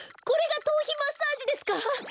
これが頭皮マッサージですか！